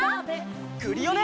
クリオネ！